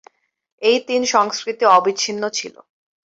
এই তিন সংস্কৃতি অবিচ্ছিন্ন ছিল।